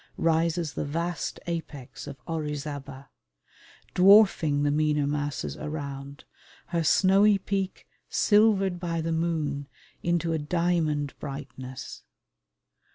rises the vast apex of Orizaba, dwarfing the meaner masses around, her snowy peak silvered by the moon into a diamond brightness.